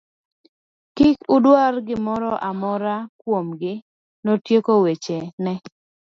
Kik udwa gimoro amora kuom gi, notieko weche ne.